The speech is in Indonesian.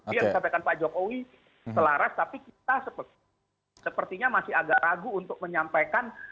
ini yang disampaikan pak jokowi selaras tapi kita sepertinya masih agak ragu untuk menyampaikan